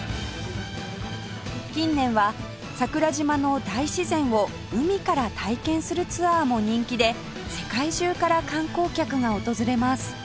近年は桜島の大自然を海から体験するツアーも人気で世界中から観光客が訪れます